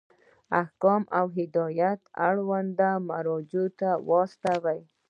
احکام او هدایات اړونده مرجعو ته واستوئ.